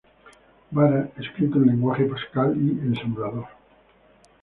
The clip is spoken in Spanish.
Vara, escrito en lenguaje Pascal y ensamblador.